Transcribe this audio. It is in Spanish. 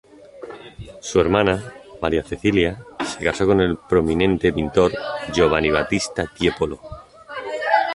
Su hermana, Maria Cecilia, se casó con el prominente pintor Giovanni Battista Tiepolo.